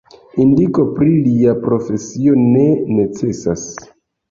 Indiko pri lia profesio ne necesas.